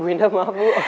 bu indah maaf bu